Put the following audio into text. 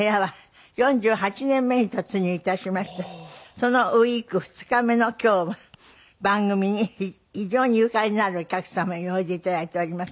そのウィーク２日目の今日は番組に非常にゆかりのあるお客様においで頂いております。